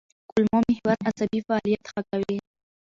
کولمو محور عصبي فعالیت ښه کوي.